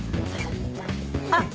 あっ！